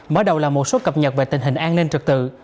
mở đầu là một số cập nhật về tình hình an ninh trực tự